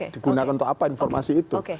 digunakan untuk apa informasi itu